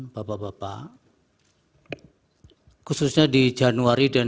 bapak bapak khususnya di januari dan